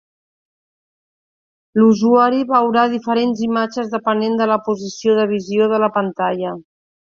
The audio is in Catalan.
L'usuari veurà diferents imatges depenent de la posició de visió de la pantalla.